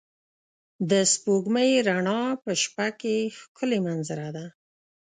د سپوږمۍ رڼا په شپه کې ښکلی منظره ده.